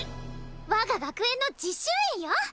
我が学園の実習園よ